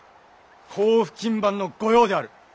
甲府勤番の御用である。